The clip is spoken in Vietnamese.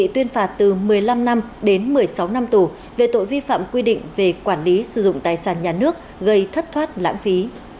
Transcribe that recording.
tuyên phạt từ một mươi năm năm đến một mươi sáu năm tù về tội vi phạm quy định về quản lý sử dụng tài sản nhà nước gây thất thoát lãng phí